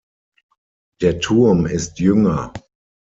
Der Turm ist jünger.